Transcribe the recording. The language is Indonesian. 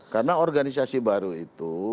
karena organisasi baru itu